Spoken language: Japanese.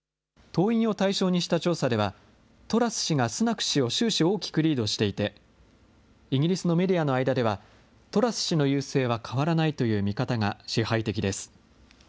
党員を対象にした調査では、トラス氏がスナク氏を終始大きくリードしていて、イギリスのメディアの間では、トラス氏の優勢は変わらないという見方が支配的です。